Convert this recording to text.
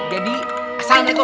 jadi asal neko